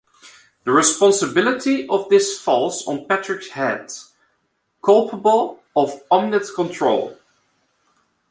The responsibility of this falls on Patrick Head, culpable of omitted control.